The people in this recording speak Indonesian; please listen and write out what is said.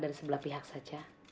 dari sebelah pihak saja